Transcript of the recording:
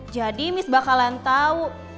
jadi miss bakalan tahu